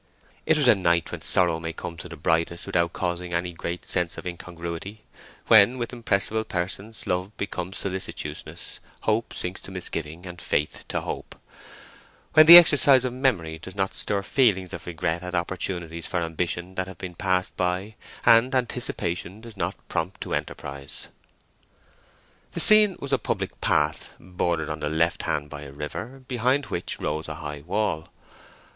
It was a night when sorrow may come to the brightest without causing any great sense of incongruity: when, with impressible persons, love becomes solicitousness, hope sinks to misgiving, and faith to hope: when the exercise of memory does not stir feelings of regret at opportunities for ambition that have been passed by, and anticipation does not prompt to enterprise. The scene was a public path, bordered on the left hand by a river, behind which rose a high wall.